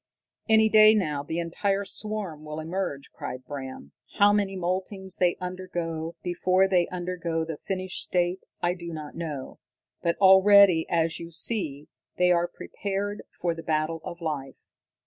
"Any day now the entire swarm will emerge," cried Bram. "How many moultings they undergo before they undergo the finished state, I do not know, but already, as you see, they are prepared for the battle of life.